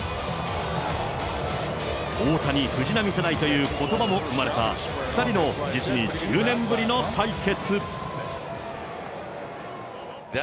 大谷・藤浪世代ということばも生まれた、２人の実に１０年ぶりの対決。